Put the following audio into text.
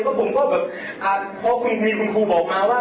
ก็ผมก็แบบอ่าเพราะมีคุณครูบอกมาว่า